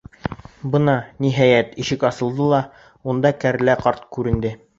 Бына, ниһайәт, ишек асылды ла, унда кәрлә ҡарт күренде.